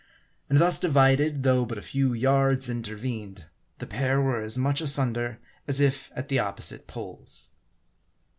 And thus divided, though but a few yards inter vened, the pair were as much asunder as if at the opposite Poles.